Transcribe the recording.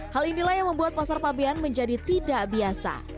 hal inilah yang membuat pasar fabian menjadi tidak biasa